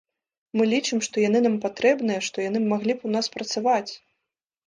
Мы лічым, што яны нам патрэбныя, што яны маглі б у нас працаваць.